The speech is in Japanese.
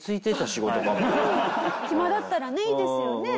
暇だったらねいいですよね。